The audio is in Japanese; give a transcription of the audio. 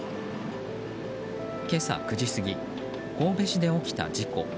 今朝９時過ぎ神戸市で起きた事故。